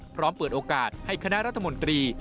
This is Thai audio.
เปิดโอกาสให้คณะรัฐมนตรี